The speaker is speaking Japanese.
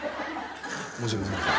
申し訳ございません。